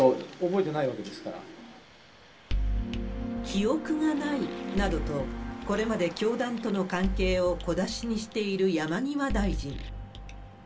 記憶がないなどと、これまで教団との関係を小出しにしている山際大臣。